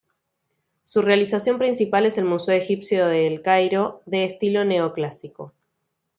Su realización principal es el Museo Egipcio de El Cairo, de estilo Neoclásico.